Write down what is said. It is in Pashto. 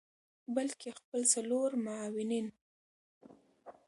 بلکه خپل څلور معاونین